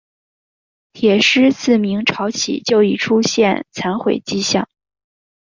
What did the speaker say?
铁狮自明朝起就已出现残毁迹象。